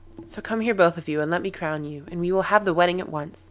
So come here both of you and let me crown you, and we will have the wedding at once.